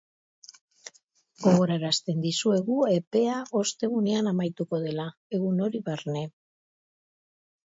Gogorarazten dizuegu epea ostegunean amaituko dela, egun hori barne.